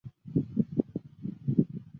爱尔巴桑。